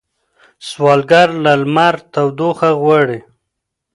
سوالګر له لمر تودوخه غواړي